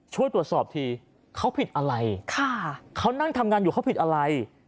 ช่วยตรวจสอบทีเขาผิดอะไรเขานั่งทำงานอยู่เขาผิดอะไร